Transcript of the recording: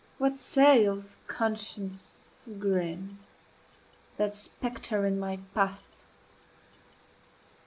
what say of CONSCIENCE grim, That spectre in my path?